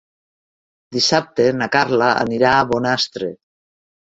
Dissabte na Carla anirà a Bonastre.